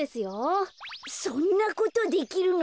そんなことできるの？